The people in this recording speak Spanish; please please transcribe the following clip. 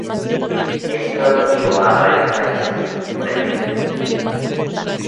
Esto lo llevó a varios países, por ejemplo.